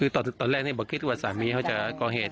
ตอนแรกยังไม่คิดว่าสามีจะก่อเหตุ